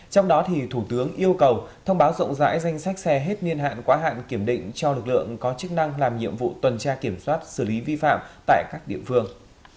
trong đó thủ tướng yêu cầu thông báo rộng rãi danh sách xe hết niên hạn quá hạn kiểm định cho lực lượng có chức năng làm nhiệm vụ tuần tra kiểm soát xử lý vi phạm tại các địa phương